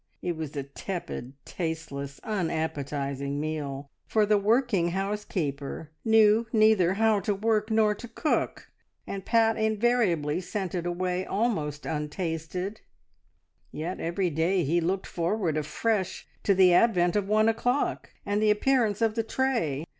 It was a tepid, tasteless, unappetising meal, for the working housekeeper knew neither how to work nor to cook, and Pat invariably sent it away almost untasted; yet every day he looked forward afresh to the advent of one o'clock and the appearance of the tray.